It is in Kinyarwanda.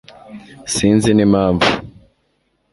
sinzi n'impamvu